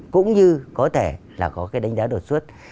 cũng như có thể là có cái đánh giá đột xuất